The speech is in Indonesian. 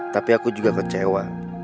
tapi aku juga kecewa